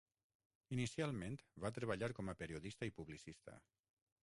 Inicialment va treballar com a periodista i publicista.